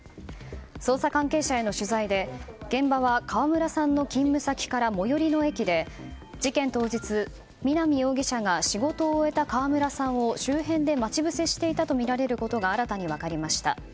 捜査関係者への取材で現場は河村さんの勤務先から最寄りの駅で事件当日、南容疑者が仕事を終えた川村さんを周辺で待ち伏せしていたとみられることが新たに分かりました。